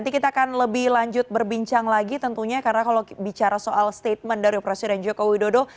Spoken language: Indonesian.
nanti kita akan lebih lanjut berbincang lagi tentunya karena kalau bicara soal statement dari presiden joko widodo